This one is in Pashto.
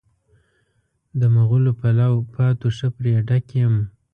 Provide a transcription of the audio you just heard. د مغلو پلاو پاتو ښه پرې ډک یم.